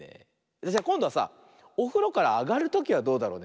それじゃこんどはさおふろからあがるときはどうだろうね。